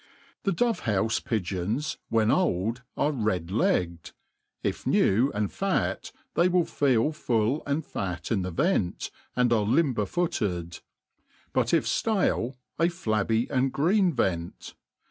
The dove houfe pigeons, when old, are red legged ; if new arid fat, thev will feel full and fat in the vent, and are lifflber^lboted ; nut if ftale, a flabby and green vent.